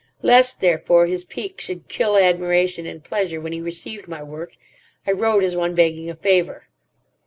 Lest, therefore, his pique should kill admiration and pleasure when he received my work, I wrote as one begging a favour.